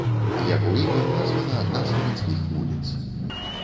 Яго імем названа адна з гарадскіх вуліц.